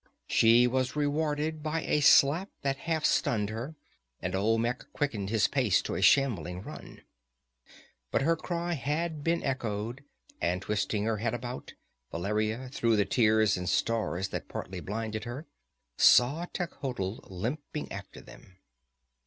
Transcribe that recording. She was rewarded by a slap that half stunned her, and Olmec quickened his pace to a shambling run. But her cry had been echoed, and twisting her head about, Valeria, through the tears and stars that partly blinded her, saw Techotl limping after them.